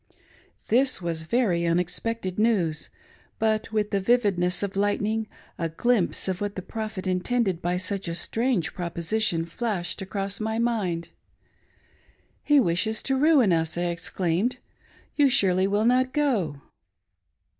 This was very unexpected news ; but with the vividness of lightning, a glimpse . of what the Prophet intended by such a jstrange proposition flashed across my mind.. " He wishes to ruin us !" I exclaimed ;" You surely will not go